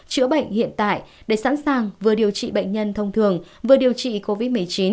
chữa bệnh hiện tại để sẵn sàng vừa điều trị bệnh nhân thông thường vừa điều trị covid một mươi chín